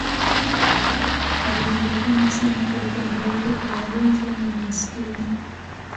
Alijulikana sana kwa upendo wake kwa wagonjwa na maskini.